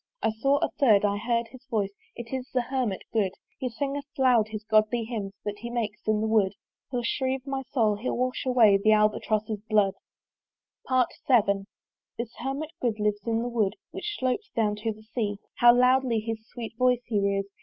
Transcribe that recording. I saw a third I heard his voice: It is the Hermit good! He singeth loud his godly hymns That he makes in the wood. He'll shrieve my soul, he'll wash away The Albatross's blood. VII. This Hermit good lives in that wood Which slopes down to the Sea. How loudly his sweet voice he rears!